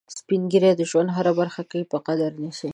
سپین ږیری د ژوند هره ورځ په قدر نیسي